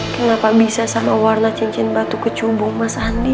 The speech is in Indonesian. kenapa bisa sama warna cincin batu kecumbung mas andi